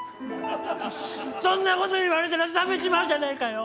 そんなこと言われたらさめちまうじゃないかよ！